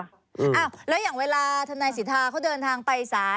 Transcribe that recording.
อ้าวแล้วอย่างเวลาทนายสิทธาเขาเดินทางไปศาล